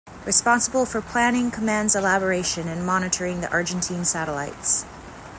Responsible for planning, commands elaboration and monitoring the Argentine satellites.